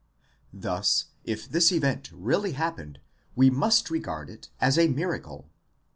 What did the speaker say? Thus if this event really happened we must regard it as a miracle.